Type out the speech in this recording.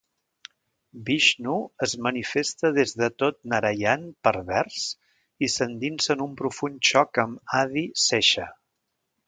Vishnu es manifesta des de tot Narayan pervers i s'endinsa en un profund xoc amb Adi Sesha.